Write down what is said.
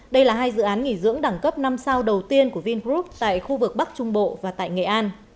đây là hai dự án nghỉ dưỡng đẳng cấp năm sao đầu tiên của vingroup tại khu vực bắc trung bộ và tại nghệ an